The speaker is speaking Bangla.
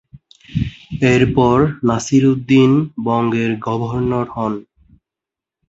এরপর নাসিরুদ্দিন বঙ্গের গভর্নর হন।